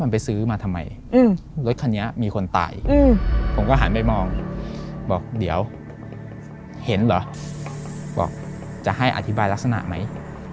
ผมก็หันไปมองบอกเดี๋ยวเห็นเหรอบอกจะให้อธิบายลักษณะไหม